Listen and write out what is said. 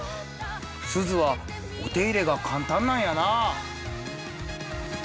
すずはお手入れが簡単なんやなあ。